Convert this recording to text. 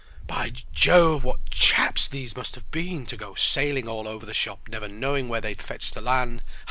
"By Jove, what chaps those must have been, to go sailing all over the shop never knowing where they'd fetch the land!